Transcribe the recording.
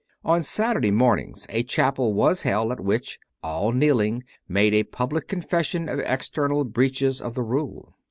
On Saturday mornings a chapter was held, at which, all kneeling, made a public confession of external breaches of the rule.